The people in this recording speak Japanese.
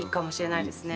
いいですね。